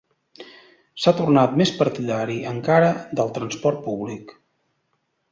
S'ha tornat més partidari encara del transport públic.